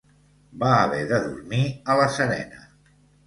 Va haver de dormir a la serena.